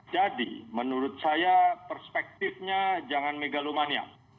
jadi menurut saya perspektifnya jangan megalomania